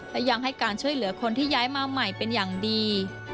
และยังให้การช่วยเหลือคนที่ย้ายมาใหม่เป็นอย่างดี